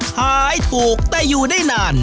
ขายถูกแต่อยู่ได้นาน